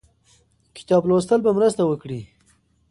کتاب لوستل به مرسته وکړي.